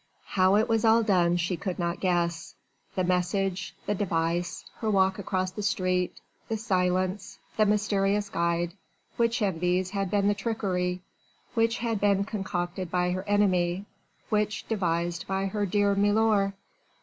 How it was all done she could not guess. The message ... the device ... her walk across the street ... the silence ... the mysterious guide ... which of these had been the trickery?... which had been concocted by her enemy?... which devised by her dear milor?